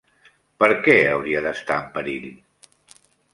Per què hauria d'estar en perill?